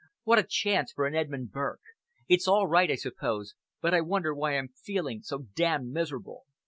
What a chance for an Edmund Burke! It's all right, I suppose, but I wonder why I'm feeling so damned miserable."